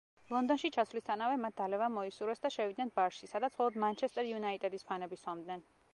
ლონდონში ჩასვლისთანავე მათ დალევა მოისურვეს და შევიდნენ ბარში სადაც მხოლოდ მანჩესტერ იუნაიტედის ფანები სვამდნენ.